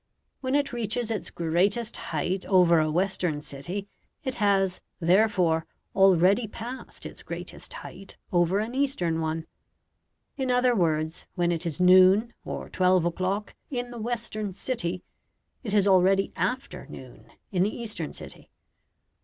When it reaches its greatest height over a western city it has, therefore, already passed its greatest height over an eastern one. In other words, when it is noon, or twelve o'clock, in the western city, it is already after noon in the eastern city.